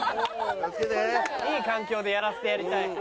いい環境でやらせてやりたい。